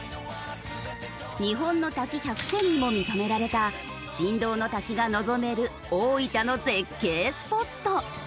日本の滝１００選にも認められた震動の滝が望める大分の絶景スポット。